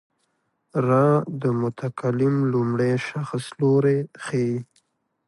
را د متکلم لومړی شخص لوری ښيي.